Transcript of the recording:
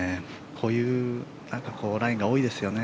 こういうラインが多いですよね